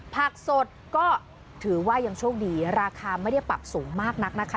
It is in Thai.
ผักสดก็ถือว่ายังโชคดีราคาไม่ได้ปรับสูงมากนักนะคะ